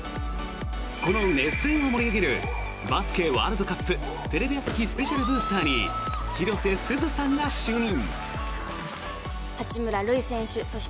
この熱戦を盛り上げるバスケワールドカップテレビ朝日スペシャルブースターに広瀬すずさんが就任！